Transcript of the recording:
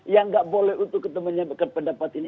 yang gak boleh untuk ketemu dengan pendapat ini